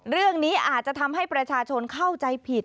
เรื่องนี้อาจจะทำให้ประชาชนเข้าใจผิด